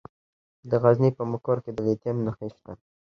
د غزني په مقر کې د لیتیم نښې شته.